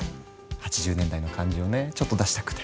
８０年代の感じをねちょっと出したくて。